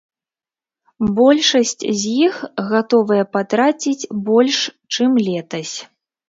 Большасць з іх гатовыя патраціць больш, чым летась.